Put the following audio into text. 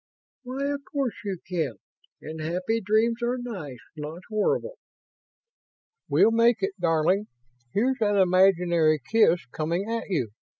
"Why, of course you can! And happy dreams are nice, not horrible." "We'll make it, darling. Here's an imaginary kiss coming at you.